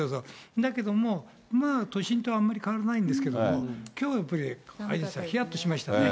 だけども、まあ都心とあんまり変わらないんですけども、きょうはやっぱり、あれですよ、ひやっとしましたよね。